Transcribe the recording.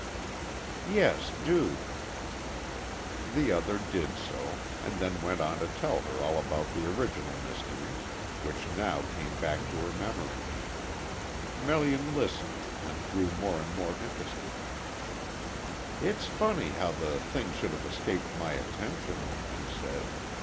"Yes, do." The other did so, and then went on to tell her all about the original mystery, which now came back to her memory. Melian listened, and grew more and more interested. "It's funny how the thing should have escaped my attention," she said.